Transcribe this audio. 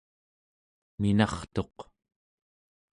minartuq